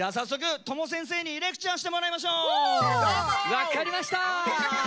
わかりました！